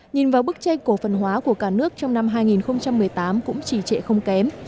nhìn vào bức tranh cổ phần hóa của cả nước trong năm hai nghìn một mươi tám cũng chỉ trệ không kém